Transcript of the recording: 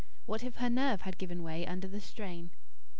What if her nerve had given way under the strain?